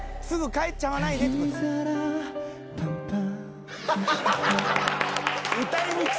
すぐ帰っちゃわないでって事。